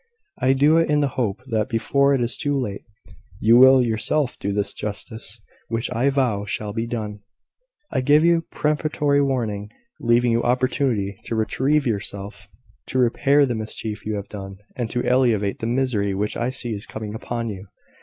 I do it in the hope that, before it is too late, you will yourself do the justice which I vow shall be done. I give you peremptory warning, leaving you opportunity to retrieve yourself, to repair the mischief you have done, and to alleviate the misery which I see is coming upon you."